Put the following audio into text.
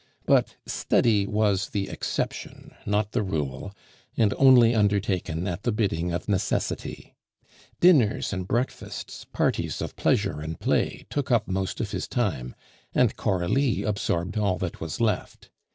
But study was the exception, not the rule, and only undertaken at the bidding of necessity; dinners and breakfasts, parties of pleasure and play, took up most of his time, and Coralie absorbed all that was left.